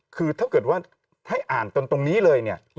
คือถ้าเกิดว่าให้อ่านจนตรงนี้เลยเนี่ย